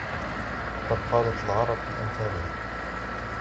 وَقَدْ قَالَتْ الْعَرَبُ فِي أَمْثَالِهَا